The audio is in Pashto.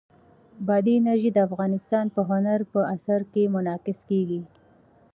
بادي انرژي د افغانستان په هنر په اثار کې منعکس کېږي.